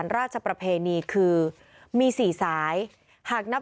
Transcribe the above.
ในเวลาเดิมคือ๑๕นาทีครับ